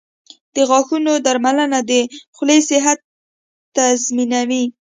• د غاښونو درملنه د خولې صحت تضمینوي.